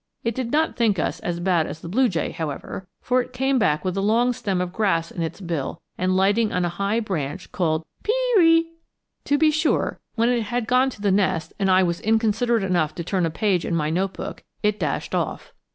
It did not think us as bad as the blue jay, however, for it came back with a long stem of grass in its bill, and, lighting on a high branch, called pee ree. To be sure, when it had gone to the nest and I was inconsiderate enough to turn a page in my note book, it dashed off.